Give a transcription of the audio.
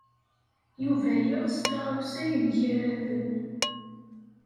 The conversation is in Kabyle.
Yuba yeɣs taɣawsa yemgerraden.